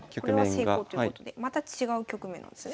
これは成功ということでまた違う局面なんですね。